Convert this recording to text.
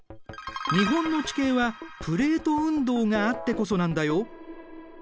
日本の地形はプレート運動があってこそなんだよ。